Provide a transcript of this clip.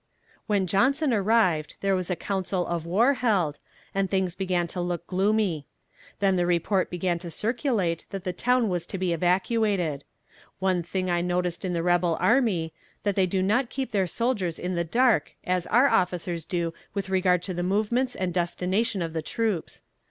When Johnson arrived there was a council of war held, and things began to look gloomy. Then the report began to circulate that the town was to be evacuated. One thing I noticed in the rebel army, that they do not keep their soldiers in the dark as our officers do with regard to the movements and destination of the troops.